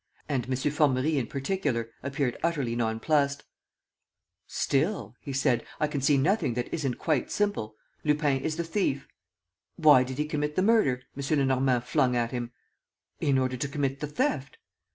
And M. Formerie in particular appeared utterly nonplussed: "Still," he said, "I can see nothing that isn't quite simple. Lupin is the thief. ..." "Why did he commit the murder?" M. Lenormand flung at him. "In order to commit the theft."